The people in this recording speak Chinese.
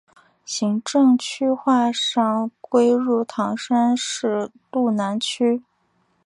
行政区划上归入唐山市路南区。